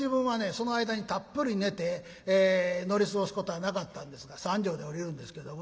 その間にたっぷり寝て乗り過ごすことはなかったんですが三条で降りるんですけどもね。